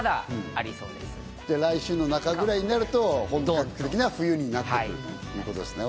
来週中頃になると、本格的な冬になってくるということですね。